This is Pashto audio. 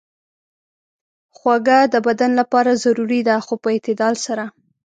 خوږه د بدن لپاره ضروري ده، خو په اعتدال سره.